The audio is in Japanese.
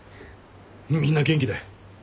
みんな元気だよ。